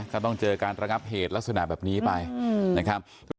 ก็ต้องเจอการระงับเหตุลักษณะแบบนี้ไปนะครับ